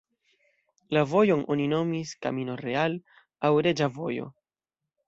La vojon oni nomis "Camino Real" aŭ Reĝa Vojo.